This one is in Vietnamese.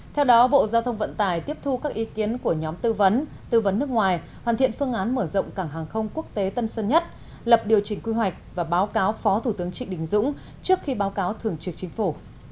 theo đó bộ giao thông vận tải tiếp thu các ý kiến của nhóm tư vấn tư vấn nước ngoài hoàn thiện phương án mở rộng cảng hàng không quốc tế tân sơn nhất lập điều chỉnh quy hoạch và báo cáo phó thủ tướng trịnh đình dũng trước khi báo cáo thường trực chính phủ